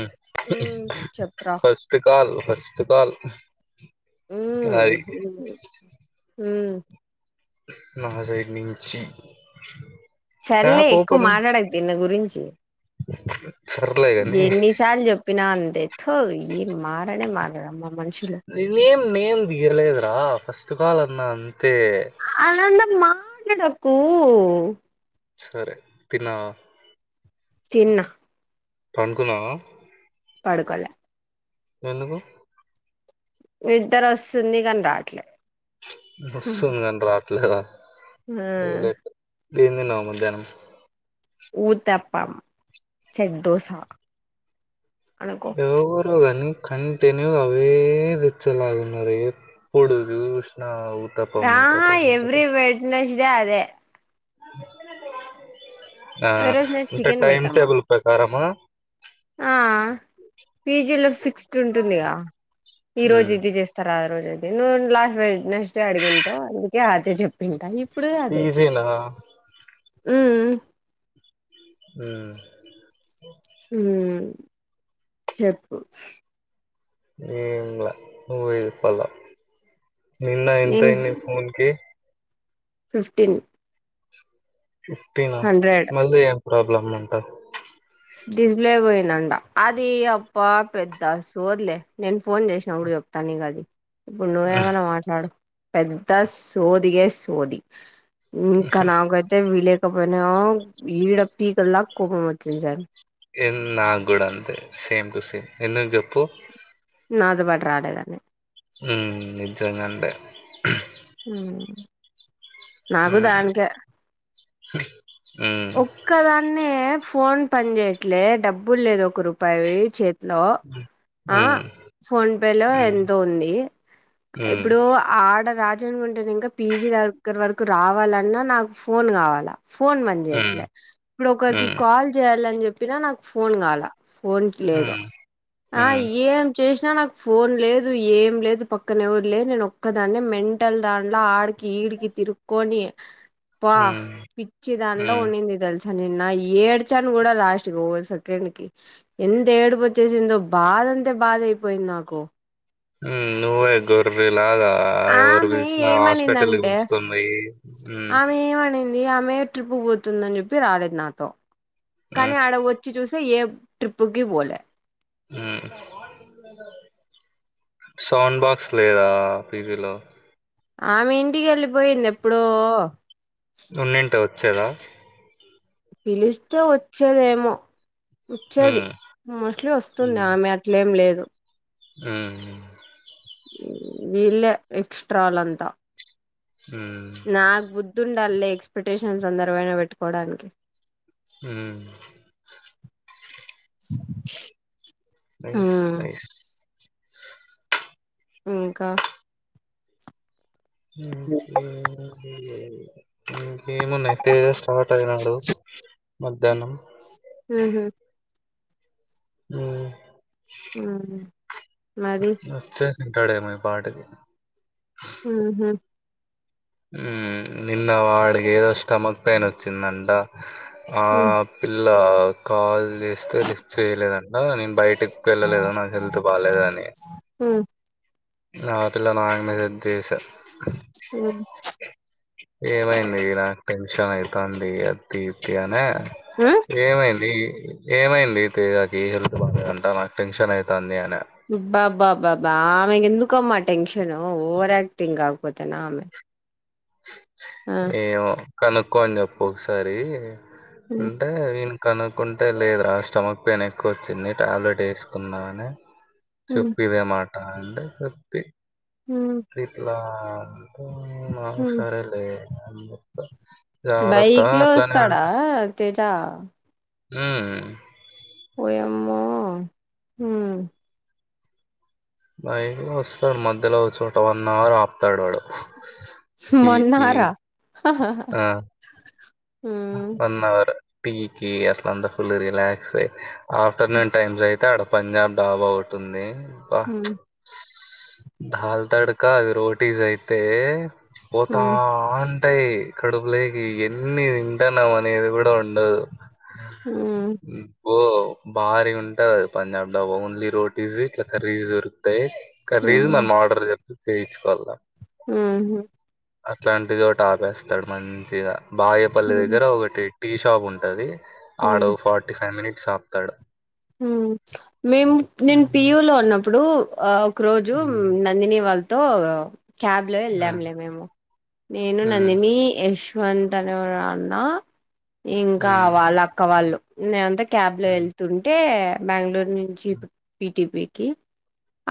మ్ హ్మ్ చెప్పురా first call first call ఉమ్ అది మ్హు మ్ నా సైడ్ నించి చల్లే ఎక్కువ మాట్లాడక తిన గురించి సర్లే గాని యేన్ని సాల్ చెప్పిన అంతే థూ ఈ మారణే మారడమ్మో నేన్ నేమ్ తియ్యలేదురా ఫస్ట్ కాల్ అన్నా అంత్ అలాంద మాట్లాడకు సరే తిన్నావా తిన్న పండ్కున్నవా పడుకోలే ఎందుకు నిద్దరోస్తుంది కన్ రాట్లే ఓస్తుంద్ కన్ రాట్లేద ఉమ్ ఏం తిన్నావ్ మధ్యానం ఊతప్ప సెట్ దోస అనుకో ఎవవురో గని కంటెన్యూగా అవే దేచ్చేలాగున్నారెంద్ ప్పుడు జూసినా ఉత్ కా ఎవ్రీ వెడ్నెస్డే అదే ఆ ఈ రోజు నేను అంటే చికెన్ టైమ్ పెడతారు మాకు టేబుల్ ప్రకారమా ఆ పీజీలో ఫిక్స్డ్ ఉంటుందిగా ఈ రోజ్ హ్మ్ ఇది చేస్తారా ఆ రోజ్ అద్ నువ్వు లాస్ట్ వేడ్నేస్డే అడిగంటావు అందుకే అదే చెప్పింట తిసై అన్నా కదా ఉమ్ మ్ ఉమ్ ఉమ్ చెప్పు ఏంలా మూవీ చూసుకోవాల్ ఇ ఎం ఐ నేను అంతైంది ఫాన్కి ఫిఫ్టీన్ ఫిఫ్టీన హండ్రెడ్ మళ్ళీ ఏం ప్రాబ్లమ్ అంట డీస్లే పోయిందంట అది అప్ప పెద్ద సోద్లే నేను ఫోన్ చేసినపుడు చెప్ తనిగది ఇప్పుడు నువ్వేమైన్నా మాట్లాడు పెద్ద సోది గాయ్ సోది ఇంకా నాకైతే వి లేకపోయినాో ఈడ పీకల్దక్ కోపం వచ్చింది సార్ ఎన్ నగుడ్ అంతే సేమ్ టు సేమ్ ఎందుకు చెప్పు నాతో పాట్ రాలేద్ అని ఉమ్ నిజంగంతే మ్ నాకు దానికే ఆ ఒక్కదాన్నే ఎ ఫోన్ పని చేయట్లే డబ్బుల్ లేదు ఒక రూపాయివి చేత్ లో ఆ ఉమ్ ఫోన్ పే లో ఉమ్ ఎంతో ఉంది ఉమ్ ఇప్పుడు ఆర్డర్ రా చంగుంటనింక పిజీ దగ్గర వరకు రావాలన్నా నాకు ఫోన్ కావాల ఫోన్ లే ఉమ్ ఇప్పుడు ఉమ్ ఒకరికి ఉమ్ కాల్ చేయాలని చెప్పినా నాకు ఫోన్ కాల ఫోన్కి లేదు ఆ ఉమ్ ఉమ్ ఏం చేసినా నాక్ ఫోన్ లేదు ఏం లేదు పక్కన ఎవరు లేదు నేను ఒక్కదాన్నే మెంటల్ దాంట్లో ఆడికి ఈడికి తిరుక్కొని పా ఉమ్ పిచ్చి దానిట్లో ఉమ్ ఉందింది తెలుస్ థ నిన్న ఏడ్చాను కూడా లాస్ట్ ఓ సెకండ్ కి ఎంత ఏడుపు వచ్చేసిందో బా కదంతే బాద్ అయిపోయింది నాకు మ్మ్ నువ్వే గొర్విల్ నాద ఎవరు ఆమె పిలిచినా హాస్పిటల్ ఏమనిందంటే పీల్చుకొని పోయి మ్ వి ఆమె ట్రిప్కుపోతుందని చెప్పి రాలేదు నాతో కానీ ఉమ్ ఆడ వచ్చి చూసే ఏ ట్రిప్పుకి వోలే మ్మ్ సౌండ్ బాక్స్ లేదా పీజీలో ఆమె ఇంటికేళ్ళిపోయింది ఎప్పుడో చలా పిలుస్తే వచ్చేదేమో వచ్చేది ఉమ్, మోస్ట్లీ వస్తుందామె అట్లేం లేదు మ్మ్ వెళ్లే ఎక్స్ట్రాలంత ఉమ్, నాక్ బుద్ధుండల్లే ఎక్స్పెక్టేషన్స్ అందరవైన పెట్టుకోవడానికి మ్ ఆ నైస్ నైస్ ఇంక ఇంకేమిలే ఇంకేమున్నాయి తేజ స్టార్ట్ అయినాడు మధ్యాహ్నం ఉహు మ్ మ్మ్ మరి వచ్చేసి ఉంటాడేమో ఇ పాటికి మ్ హు మ్ నిన్న వాడికి ఏదో స్టమక్ పెయిన్ వచ్చిందంట ఆ పిల్లా కాల్ జేస్తే లిస్ట్ చేయలేదంట నేను బయటకి వెళ్లలేద నా హెల్త్ బాలేదని నా పిల్ల నా మీదే అంతా ఎసె ఏమైంది నాకు టెన్షన్ అయితాంది ఎత్తి యనే ఏమైంది ఏమైంది తేజ కి హెల్త్ బాలేదంటా నాకు టెన్షన్ అవుతది అని ఇ బాబ్ బాబ్ బాబ్ బాబా ఆమె కేందుకమ్మా టెన్షను ఓవర్ యాక్టింగ్ గాకపోతేనా ఆమె ఆ ఏవో కనుక్కోని జేప్పు ఒకసారి ఉమ్ అంటే విని కనుక్కుంటే లేదరా స్టమక్ పెయిన్ ఎక్కువ వచ్చింది టాబ్లెట్ ఏసుకున్నా అని ఉమ్ చెప్పు ఇదే మాట అంటే చెప్పతి ఉమ్ ఇట్లా అంటే ఆ ఉమ్ సరేలే అని జెప్పుత జరాతా వత్తావా అట్లానే ఉంటావ త్తా ఉమ్మ్ వోయామో హూమ్ బైక్ లో వస్తాడు మధ్యలో ఓ చోట వన్ అవర్ ఆపుతాడు వాడు టీకి మోన్నాహారా అహాహా ఆ! వన్ అవర్ పికె అట్లా అంతా ఫుల్ రిలాక్స్ అయి ఆఫ్టర్‌నూన్ టైమ్స్ అయితే అడ పంజాబ్ డాబ్ ఓటి ఉంది అబ్బా ఉ దాల్ తడకా అవి రోటీస్ అయితే పోతా ఉ అంటాయి కడుపులేకి ఎన్ని తీన్ తిట్టనం అనేది గూడ ఉండదు ఓ బారిగుంటది అది పంజాబ్ డాబా ఓన్లీ రోట్ ఈజీ ఇట్లా కర్రీస్ దొరుకుతాయి కర్రీస్ మనం ఆర్డర్ జేప్ చేయించుకోవాల ఉమ్మ్ హూ అట్లాంటిదోటి ఆపేస్తాడు మంచిగా బా పల్లె ఉ దగ్గర ఒకటి టీ షాప్ ఉంటది ఉ ఆడ ఓ ఫార్టీ ఫైవ్ మినిట్స్ ఆపుతాడు ఉమ్మ్ మేము నేను హ్మ్. పియులో ఉన్నప్పుడు ఆ ఒక్ రోజు హ్మ్. నందిని వాళ్ళతో క్యాబ్‌లో వెళ్ళాంలే మేము నేను హ్మ్. హ్మ్. నందిని యష్ నువ్వు ఎంతని ఎవరైనా అన్నా ఇంకా వాళ్లు అక్క వాళ్లు నేంతాకి క్యాబ్‌లో హ్మ్. హ్మ్. ఏళ్తుంటే బెంగుళూరు నుంచి పుట్ పిటిపికి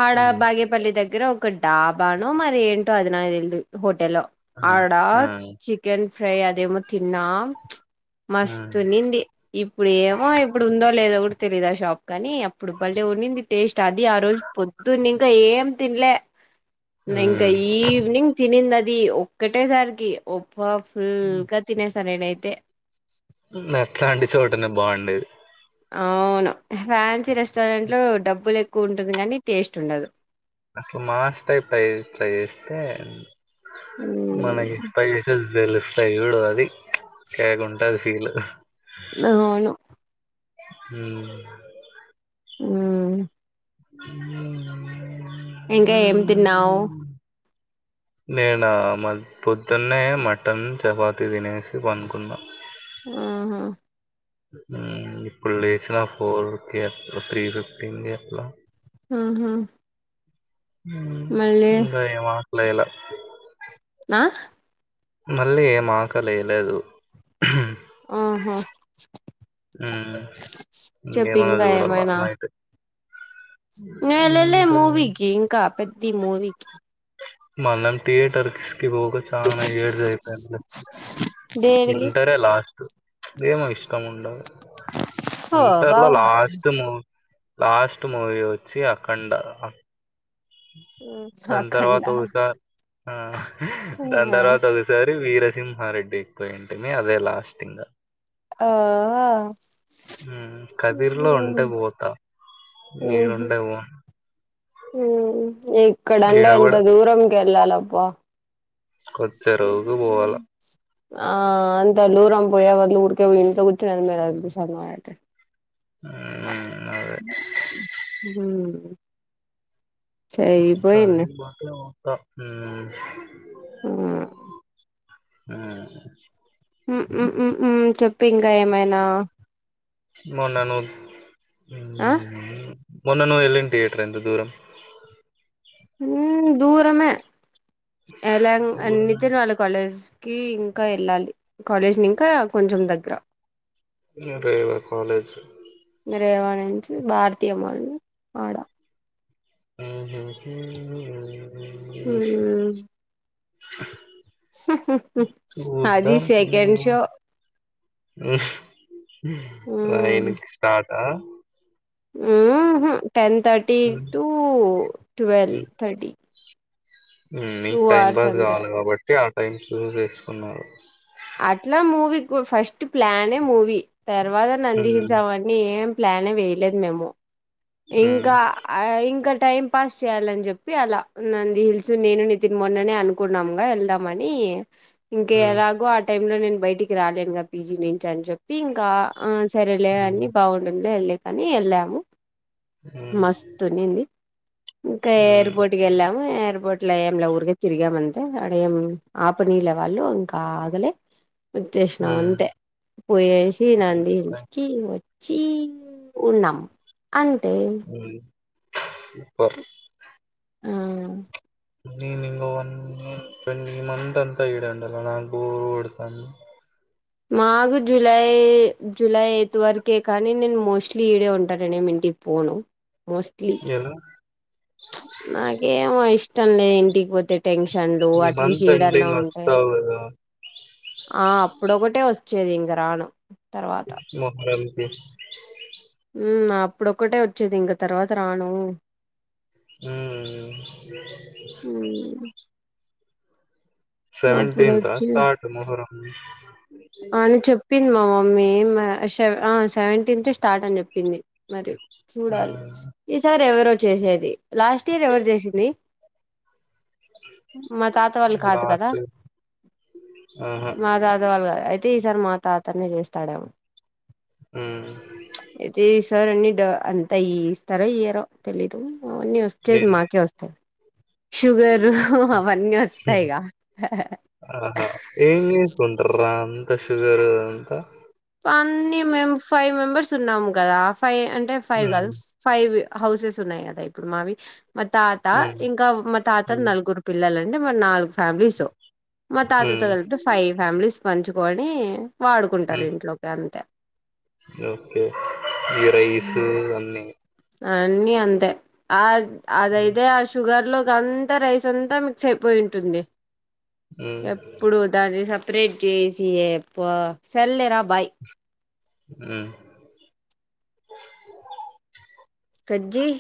ఆడ హ్మ్. బాగేపల్లి దగ్గర ఒక డాబానో మరి ఏంటో అది నాకు తెలీదు టెల్లో ఆ! ఆడ ఆ! చికెన్ ఫ్రై అదేమో తిన్న మచ్ హ్మ్. మస్తా ఉన్నిది ఇప్పుడు ఏమో ఇప్పుడు ఉందో లేదో గూడ తె తెలీదు ఆ షాప్ కానీ అప్పుడు బాలే ఉన్నిది టేస్ట్ అది ఆ రోజు పొద్దున్న ఇంకా ఏం తిన్నెలే నే ఇంకా ఈవినింగ్ తిన్నిది అది ఒక్కటేసరికి ఒ వావ్ ఫుల్‌గా తినేసా నేనైతే నట్లాంటి చోటనే బావుండేది అవును ఫ్యాన్సీ రెస్టారెంట్ లో డబ్బులు ఎక్కువ ఉంటుంది గానీ టేస్ట్ ఉండదు అట్ల మాస్ టైప్ తే తేట్లా జేస్తే మ్మ్. మనకి స్పైసెస్ తెలుస్తాయి జూడు అది కేకుంటది ఫీల్ అవును ఉమ్మ్ ఉమ్మ్ ఉమ్ ఉమ్ ఇంకా ఏం తిన్నావ్ నేనా మ పొద్దున్నే మటన్ చపాతి తినేసి పనుకున్నా ఉహూ ఉమ్ ఇప్పుడు లేచినా ఫోర్ కి అట్ల త్రీ ఫిఫ్టీ కి అట్లా ఉహూ హ్మ్మ్ ఇంగా ఏం ఆకలి ఎయ్యలా ఆహ్ మళ్ళీ ఏం ఆకలలెయ్య లేదు ఓహో చెప్పు ఇంగేమన్న ఇంకా చూడాల నైట్ నే ఎల్లలే ఇంకా మూవీకి ఇంకా పెద్ది మూవీకి మనం థియేటర్కి కి పోవుడు చాలా ఇయర్స్ అయితంది లే దేనికి ఇంటరే లాస్ట్ ఏమో ఇష్టం ఉండాలి ఓ ఇంటర్ లో బాగుందా లాస్ట్ మ లాస్ట్ మూవీ వచ్చి అఖండ దాని అఖండ తర్వాత ఒకసా దాని తర్వాత ఒకసారి వీరసింహారెడ్డి ఎక్కువ ఇంటినే అదే లాస్ట్ ఇంగ ఆ ఉమ్ కదిర్లో ఉంటే పోతా ఈడుంటే పోను హ్మ్మ్ ఇక్కడంటే ఈడ ఎంత దూరంకి వెళ్ళాలబ్బా కొచ్చేరువుకు పోవాల ఆ అంత దూరం పోయే వళ్ ఊరికే పోంటి కూర్చుది మే సతే మ్మ్ అదే అ సరి పోయింది వ ఉమ్ ఊ ఉ ఉమ్ ఉమ్ ఉమ్ ఉమ్ చెప్పిందా ఏమైనా మన్నాను ఆ మొన్న నువ్వు ఎల్లిన థియేటర్ ఎంత దూరం ఉమ్ దూరమే ఏలా దూరం అందుకే వాళకాలేజ్ కి ఇంకా వెళ్ళాలి కాలేజ్ ని ఇంకా కొంచెం దగ్గర ఉండే కాలేజ్ ప్రేవాణించి భారతీయ వాళ ఆడ ఉ హూ హూ ఉమ్ ఉమ్ అది చూద్దం [inaudible] సెకండ్ షో ఆయనకి స్టార్ట్ ఆ ఉహూ టెన్ థర్టీ హ్మ్. టు ట్వల్వ్ థర్టీ టూ మీకు టైం అవర్స్ పాస్ అంతే కావాలి కాబట్టి ఆ టైం చూస్ చేసుకున్నారు అట్లా మూవీ ఫస్ట్ ప్లానే మూవీ తర్వాత నంది హ్మ్. హిల్స్ అవన్నీ ఏం ప్లాన్ వేయలేదు మేము హ్మ్. ఇంకా ఇంకా టైం పాస్ చేయాలని చెప్పి అలా నంది హిల్స్ నేను నితిన్ మొన్ననే అనుకున్నాముగా వెళ్దామని ఉ ఇంకా హ్మ్. ఎలాగో ఆ టైం లో నేను బయటికి రాలేనుగా పీజీ నుంచి అని చెప్పి ఇంకా సరేలే అని హ్మ్. బాగుంటుంది ఎల్లెకని వెళ్ళాము హ్మ్. మస్తు ఉనింది ఇంకా హ్మ్. ఎయిర్పోర్ట్కి వెళ్ళాము అ బోట్లే ఏంలా ఊరిగా తిరిగామంతే ఆడ ఏం ఆపనీళ్ళ వాళ్ళు ఇంకా ఆగలే ఉచ్చసినం హ్మ్. అంతే పోయేసి నంది నైస్. నైస్. హిల్సుకి చీ ఉన్నాం అంతే హ్మ్. సూపర్ ఆ నేను నింగ వన్ ట్వంటీ మంత్ అంతా ఇడే ఉండాల కదా బోర్ కొడతంది మాగు జూలై జులై ఎయిత్ వరకే కానీ నేను మోస్ట్లీ ఈడే ఉంటాననే టికి పోను మోస్ట్లీ నేను నాకేమో ఇష్టం లేదు ఇంటికి పోతే టెన్షన్లు ఈ అట్లీస్ట్ మంత్ ఈడన్నా ఎండింగ్ ఉంటే ఒస్తావు గదా! ఆ అప్పుడ ఒకటే వస్తు చూడు ఇంగ రాను తర్వాత [unintelligible] అప్పుడొక్కటే వచ్చేది ఇంక తర్వాత రాను ఉమ్ హ్మ్మ్ అప్పుడు సెవెంటీన్త్ వచ్చి స్టార్ట్ మొహరం అని చెప్పింది మామమ్మీ ఆ సెవెన్ ఆ సెవెంటీన్త్ స్టార్ట్ అని చెప్పింది మరి చూడాలి హ్మ్. ఈసారి ఎవరో చేసేది లాస్ట్ ఇయర్ ఎవరు చేసింది మా తాత వాళ్ళు కాదు కదా లాస్ట్ ఆహా! మా తాత వాళ్ళు అయితే ఈసారి మా తాతనే చేస్తాడేమో హ్మ్ము ఈ సారి అన్ని అంతా ఇ ఇస్తారో ఇయ్యరో తెలీదు అన్నీ వచ్చేది మాకే వస్తాది షుగరు అవన్నీ ఏంది? వస్తాయిగా ఆహా ఏం చేస్తుంటార్రా అంత షుగర్ అంతా అన్ని మెం ఫైవ్ మెంబర్స్ ఉన్నాము కదా ఫైవ్ అంటే ఫైవ్ హ్మ్. కదు ఫైవ్ హౌసెస్ ఉన్నాయి కదా ఇప్పుడు మావి మా తాత హ్మ్. ఇంకా మా తాత హ్మ్. నలుగురు పిల్లలు అంటే మ నాలుగు ఫ్యామిలీస్ మా తాతతో హ్మ్. కలిపితే ఫైవ్ ఫ్యామిలీస్ పంచుకొని వాడుకుంటారు హ్మ్. ఇంట్లోకి అంతే ఓకే ఈ రైస్ అన్నీ అన్నీ అంతే ఆ హ్మ్. అదైతే ఆ షుగర్ అలో అంతా రైస్ అంతా మిక్స్ అయిపోయి ఉంటుంది హ్మ్. ఎప్పుడు దాని స స్ప్రెడ్ చేసి సర్లే రా బాయ్ హుమ్ కట్ చెయ్